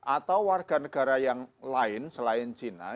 atau warga negara yang lain selain china